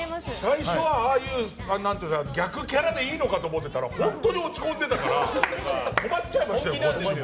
最初はああいう逆キャラでいいのかと思ってたら本気で落ち込んでたから困ってました。